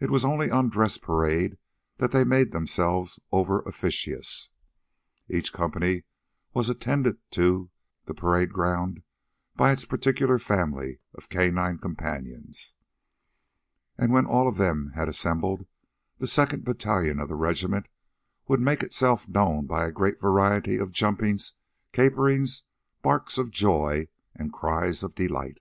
It was only on dress parade that they made themselves over officious. Each company was attended to the parade ground by its particular family of canine companions, and, when all of them had assembled, the second battalion of the regiment would make itself known by a great variety of jumpings, caperings, barks of joy, and cries of delight.